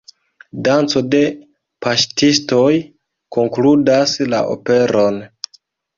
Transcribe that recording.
Danco de paŝtistoj konkludas la operon.